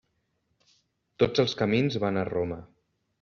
Tots els camins van a Roma.